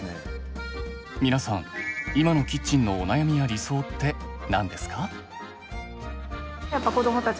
皆さん今のキッチンのお悩みや理想って何ですか？